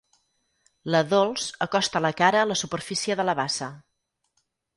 La Dols acosta la cara a la superfície de la bassa.